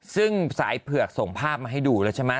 ซึ่งสายเผือกส่งภาพมาให้ดูแล้วใช่ไหม